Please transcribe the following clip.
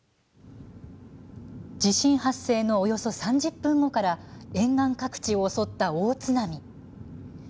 地震発生のおよそ３０分後から沿岸各地を襲った大津波。